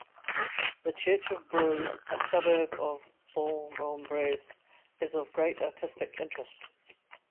The church of Brou, a suburb of Bourg-en-Bresse, is of great artistic interest.